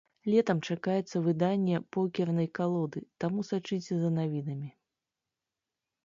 Летам чакаецца выданне покернай калоды, таму сачыце за навінамі!